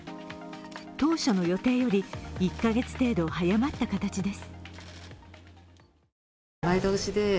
当初の予定より１カ月程度早まった形です。